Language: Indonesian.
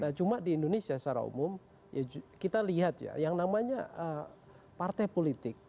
nah cuma di indonesia secara umum ya kita lihat ya yang namanya partai politik